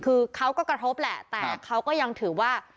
คือเขาก็กระทบแหละแต่เขาก็ยังถือว่า